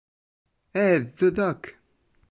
Edd the Duck!